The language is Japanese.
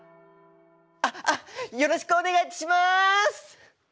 あっあっよろしくお願いします！